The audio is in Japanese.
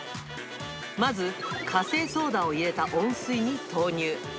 まず苛性ソーダを入れた温水に投入。